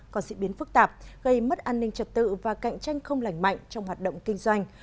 còn diễn biến phức tạp gây mất an ninh trật tự và cạnh tranh không lành mạnh trong hoạt động kinh doanh